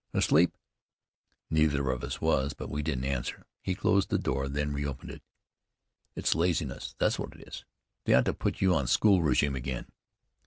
"Asleep?" Neither of us was, but we didn't answer. He closed the door, then reopened it. "It's laziness, that's what it is. They ought to put you on school régime again."